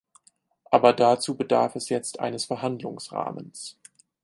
Aber dazu bedarf es jetzt eines Verhandlungsrahmens.